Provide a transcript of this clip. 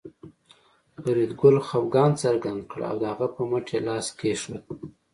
فریدګل خپګان څرګند کړ او د هغه په مټ یې لاس کېښود